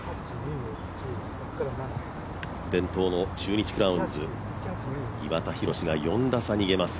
伝統の中日クラウンズ、岩田寛が４打差、逃げます。